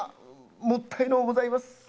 もったいのうございます。